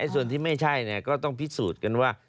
ส่วนที่ไม่ใช่ก็ต้องพิสูจน์กันว่า